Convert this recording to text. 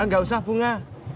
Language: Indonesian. gak usah bunga